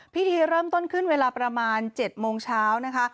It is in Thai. พิธีเริ่มต้นขึ้นเวลาประมาณ๗โมงเช้านะคะ